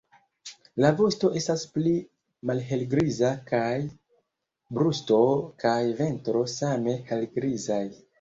La vosto estas pli malhelgriza kaj brusto kaj ventro same helgrizaj.